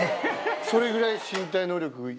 それぐらい身体能力。